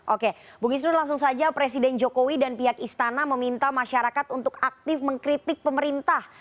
oke bung isnur langsung saja presiden jokowi dan pihak istana meminta masyarakat untuk aktif mengkritik pemerintah